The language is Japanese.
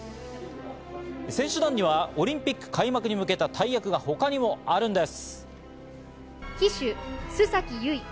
選手団にはオリンピック開幕へ向けた大役が他にもあるんです。